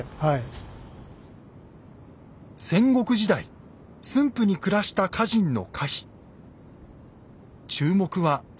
戦国時代駿府に暮らした歌人の歌碑。